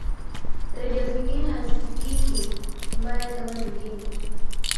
redio zingine hazisikiki mbali kama zingine